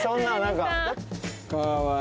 かわいい。